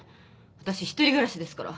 私一人暮らしですから。